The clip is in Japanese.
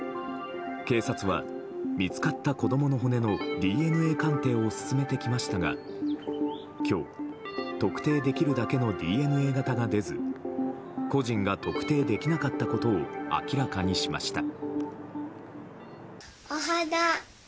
警察は見つかった子供の骨のＤＮＡ鑑定を進めてきましたが今日、特定できるだけのＤＮＡ型が出ず個人が特定できなかったことを明らかにしました。